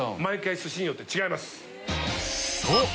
そう！